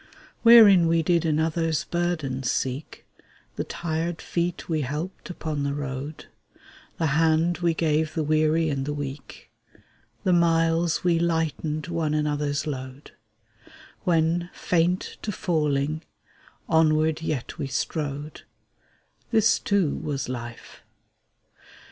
Wherein we did another's burden seek, The tired feet we helped upon the road, The hand we gave the weary and the weak, The miles we lightened one another's load, When, faint to falling, onward yet we strode: This too was Life.